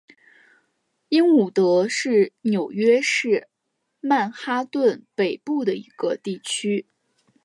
英伍德是纽约市曼哈顿北部的一个地区。